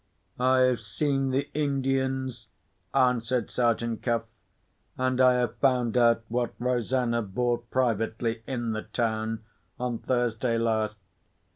"I have seen the Indians," answered Sergeant Cuff. "And I have found out what Rosanna bought privately in the town, on Thursday last.